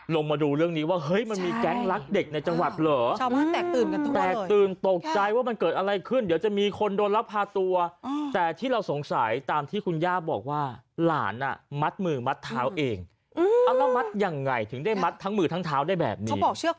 ลงมาดูเรื่องนี้ว่ามันมีแก๊กลักเด็ก